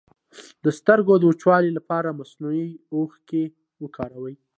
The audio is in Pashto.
د سترګو د وچوالي لپاره مصنوعي اوښکې وکاروئ